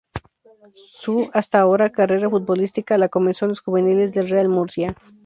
Su, hasta ahora, carrera futbolística la comenzó en los juveniles del Real Murcia.